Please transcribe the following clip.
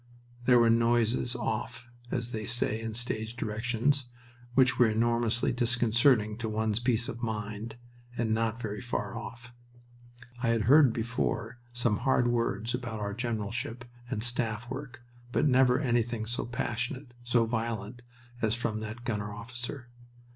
There were noises "off," as they say in stage directions, which were enormously disconcerting to one's peace of mind, and not very far off. I had heard before some hard words about our generalship and staff work, but never anything so passionate, so violent, as from that gunner officer.